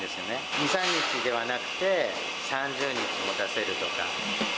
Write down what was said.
２、３日ではなくて、３０日もたせるとか。